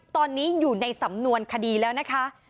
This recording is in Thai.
ตอนนี้อยู่ในสำนวนคดีแล้วนะคะ